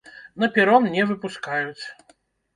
На перон не выпускаюць.